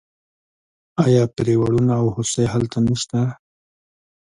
آیا پریړونه او هوسۍ هلته نشته؟